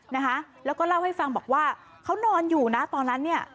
นะคะแล้วก็เล่าให้ฟังบอกว่าเขานอนอยู่นะตอนนั้นเนี่ย